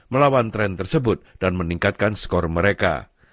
melawan tren tersebut dan meningkatkan skor mereka